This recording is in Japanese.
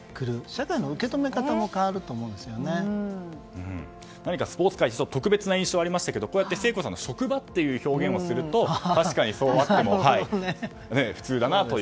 社会の受け止め方も何かスポーツ界に特別な印象がありましたけどこうやって聖子さんの職場という表現をすると確かに、そうだなと。